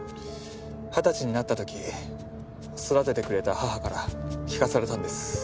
二十歳になった時育ててくれた母から聞かされたんです。